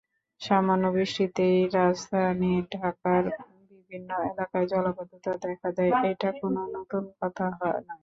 সামান্য বৃষ্টিতেই রাজধানী ঢাকার বিভিন্ন এলাকায় জলাবদ্ধতা দেখা দেয়—এটা কোনো নতুন কথা নয়।